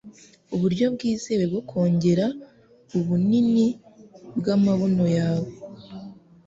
uburyo bwizewe bwo kongera ubunini bw'amabuno yawe